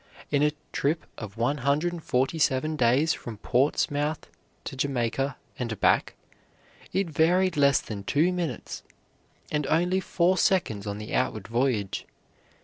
In a trip of one hundred and forty seven days from Portsmouth to Jamaica and back, it varied less than two minutes, and only four seconds on the outward voyage.